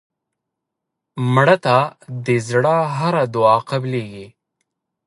مړه ته د زړه هره دعا قبلیږي